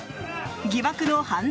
疑惑の犯罪